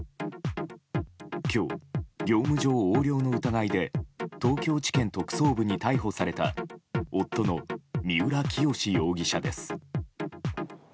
今日、業務上横領の疑いで東京地検特捜部に逮捕された夫の三浦清志容疑者です。